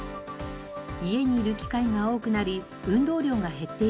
家にいる機会が多くなり運動量が減っている